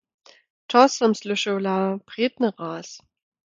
To som słyšała prědny raz.